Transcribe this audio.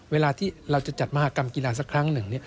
เวลาที่เราจะจัดมหากรรมกีฬาสักครั้งหนึ่ง